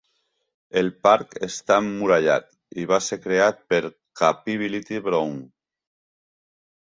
El parc està emmurallat i va ser creat per Capability Brown.